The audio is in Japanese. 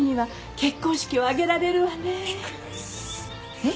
えっ？